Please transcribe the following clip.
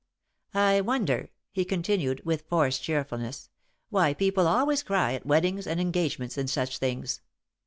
"I wonder," he continued, with forced cheerfulness, "why people always cry at weddings and engagements and such things?